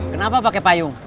kenapa pake payung